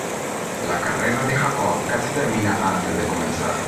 La carrera de Jacob casi terminó antes de comenzar.